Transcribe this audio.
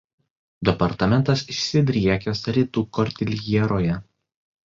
Departamentas išsidriekęs Rytų Kordiljeroje.